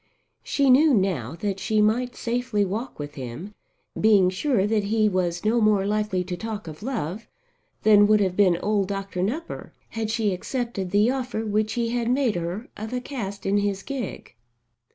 She knew now that she might safely walk with him, being sure that he was no more likely to talk of love than would have been old Dr. Nupper had she accepted the offer which he had made her of a cast in his gig.